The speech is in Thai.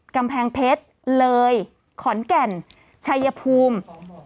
กำแพงเพชรเลยขอนแก่นชัยภูมิ